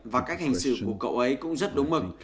và cách hành xử của cậu ấy cũng rất đúng mực